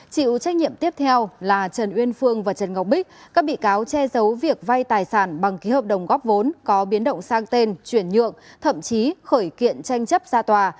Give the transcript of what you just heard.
chịu trách nhiệm tiếp theo là trần uyên phương và trần ngọc bích các bị cáo che giấu việc vay tài sản bằng ký hợp đồng góp vốn có biến động sang tên chuyển nhượng thậm chí khởi kiện tranh chấp ra tòa